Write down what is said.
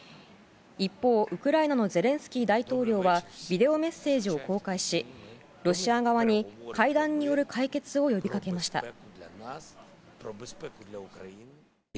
一方、ウクライナのゼレンスキー大統領はビデオメッセージを公開しロシア側に会談による解決を呼びかけました。